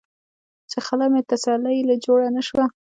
چې خله مې تسلۍ له جوړه نۀ شوه ـ